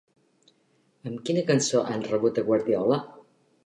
Amb quina cançó han rebut a Guardiola?